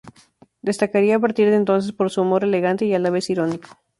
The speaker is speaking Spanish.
Destacaría a partir de entonces por su humor elegante y, a la vez, irónico.